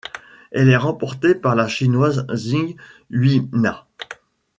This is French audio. Elle est remportée par la Chinoise Xing Huina.